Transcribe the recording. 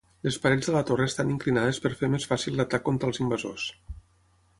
Les parets de la torre estan inclinades per fer més fàcil l'atac contra els invasors.